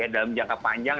dalam jangka panjang